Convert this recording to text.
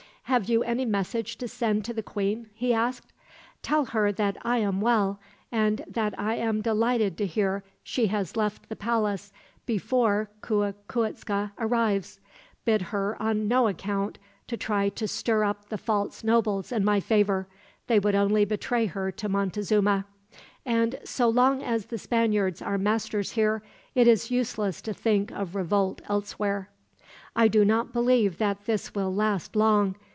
"Have you any message to send to the queen?" he asked. "Tell her that I am well, and that I am delighted to hear she has left the palace before Cuicuitzca arrives. Bid her on no account to try to stir up the false nobles in my favor. They would only betray her to Montezuma. And so long as the Spaniards are masters here, it is useless to think of revolt elsewhere. "I do not believe that this will last long.